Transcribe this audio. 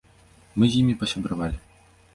Мы з імі пасябравалі.